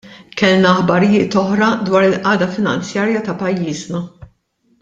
Kellna aħbarijiet oħra dwar il-qagħda finanzjarja ta' pajjiżna.